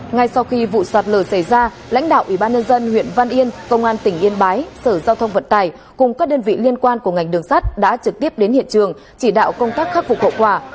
ngay sau khi vụ sạt lở xảy ra lãnh đạo ủy ban nhân dân huyện văn yên công an tỉnh yên bái sở giao thông vận tải cùng các đơn vị liên quan của ngành đường sắt đã trực tiếp đến hiện trường chỉ đạo công tác khắc phục hậu quả